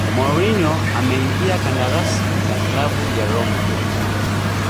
mourinho ameingia kandarasi na klabu ya roma